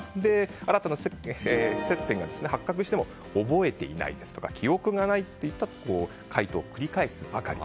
新たな接点が発覚しても覚えていないですとか記憶がないといった回答を繰り返すばかり。